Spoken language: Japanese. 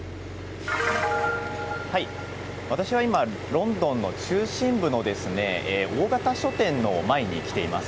私は今、ロンドンの中心部の大型書店の前に来ています。